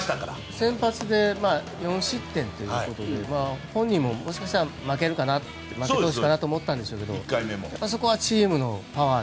先発で４失点ということで本人ももしかしたら負けるかなと思ったんでしょうけどそこはチームのパワーで。